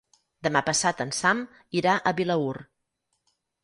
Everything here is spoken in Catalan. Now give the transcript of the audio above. Demà passat en Sam irà a Vilaür.